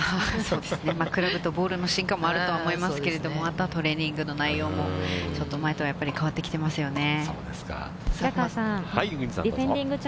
クラブとボールの進化もあると思いますけれども、あとはトレーニングの内容も、ちょっと前とはやっぱり変わってきてますよね。